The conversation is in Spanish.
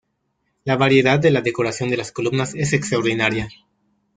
La variedad de la decoración de las columnas es extraordinaria.